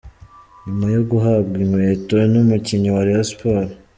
Nyuma yo guhabwa inkweto numukinnyi wa Rayon Sports,.